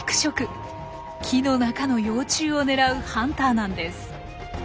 木の中の幼虫を狙うハンターなんです。